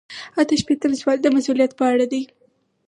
اته شپیتم سوال د مسؤلیت په اړه دی.